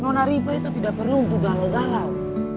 nona riva itu tidak perlu untuk galau galau